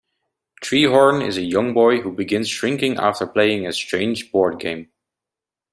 Treehorn is a young boy who begins shrinking after playing a strange board game.